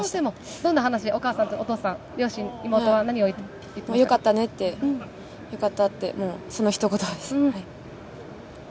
どんな話、お母さんとお父さん、両親、よかったねって、よかったって、そのひと言です。